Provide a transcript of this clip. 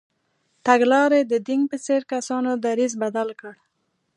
تګلارې د دینګ په څېر کسانو دریځ بدل کړ.